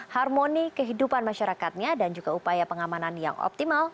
harmoni kehidupan masyarakatnya dan juga upaya pengamanan yang optimal